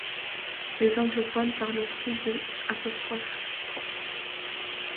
Les anglophones parlent aussi de '.